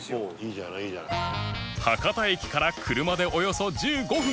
博多駅から車でおよそ１５分